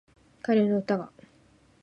カエルの歌が